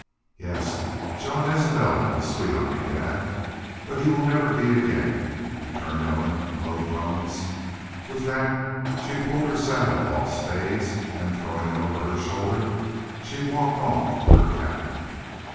"Yes, Jean Isbel was sweet on me, dad ... but he will never be again," returned Ellen, in low tones. With that she pulled her saddle off Spades and, throwing it over her shoulder, she walked off to her cabin.